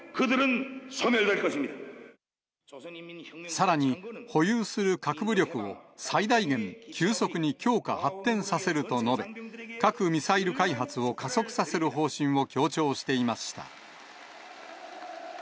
さらに、保有する核武力を最大限急速に強化、発展させると述べ、核・ミサイル開発を加速させる方針を強調していました。